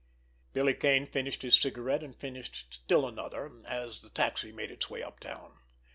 Billy Kane finished his cigarette, and finished still another, as the taxi made its way uptown.